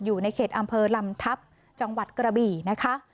อยู่ในเขตอำเภอลำทัพจังหวัดกระบี่นะคะ